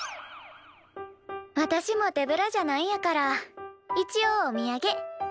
私も手ぶらじゃ何やから一応おみやげ。